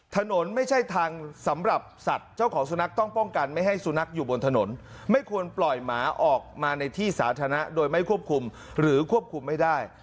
ถนนไม่ใช่ทางสำหรับสัตว์เจ้าของสุนัขต้องป้องกันไม่ให้สุนัขอยู่บนถนนไม่ควรปล่อยหมาออกมาในที่สาธารณะโดยไม่ควบคุมหรือควบคุมไม่ได้